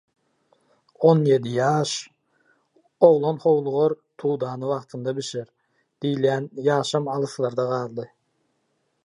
On ýedi ýaş, «Oglan howlugar, tudana wagtynda bişer» diýilýän ýaşam alyslarda galdy.